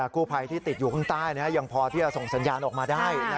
กู้ภัยที่ติดอยู่ข้างใต้ยังพอที่จะส่งสัญญาณออกมาได้